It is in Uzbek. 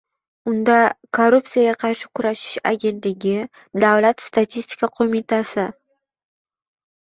Unda Korrupsiyaga qarshi kurashish agentligi, Davlat statistika qo‘mitasi